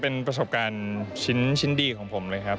เป็นประสบการณ์ชิ้นดีของผมเลยครับ